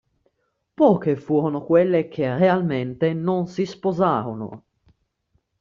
Poche furono quelle che realmente non si sposarono.